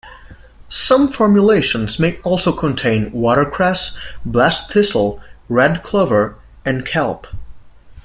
Some formulations may also contain watercress, blessed thistle, red clover, and kelp.